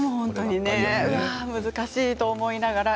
難しいと思いながら。